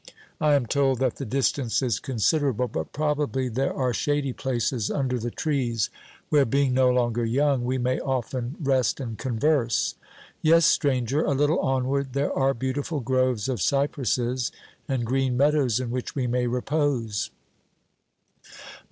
I am told that the distance is considerable, but probably there are shady places under the trees, where, being no longer young, we may often rest and converse. 'Yes, Stranger, a little onward there are beautiful groves of cypresses, and green meadows in which we may repose.'